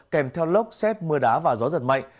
kèm theo lốc xét mưa đá và gió giật mạnh